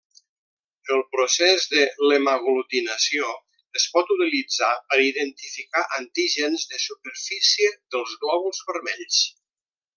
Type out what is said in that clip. El procés de l'hemaglutinació es pot utilitzar per identificar antígens de superfície dels glòbuls vermells.